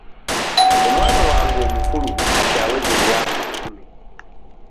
Omwana wange omukulu kati aweza emyaka kkumi.